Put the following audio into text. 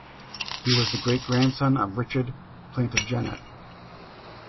He was the great-grandson of Richard Plantagenet.